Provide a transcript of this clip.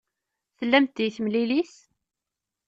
Tellamt deg temlilit?